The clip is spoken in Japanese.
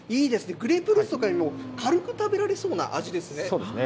グレープフルーツとかよりも、軽く食べられそうな味ですね。